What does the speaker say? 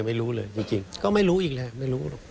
ไม่รู้เลยจริงก็ไม่รู้อีกแหละ